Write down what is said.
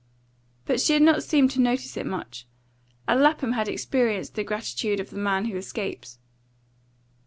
But she had not seemed to notice it much, and Lapham had experienced the gratitude of the man who escapes.